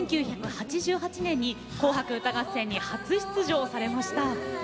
１９８８年に「紅白歌合戦」に初出場されました。